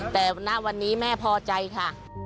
แต่ณวันนี้แม่พอใจค่ะ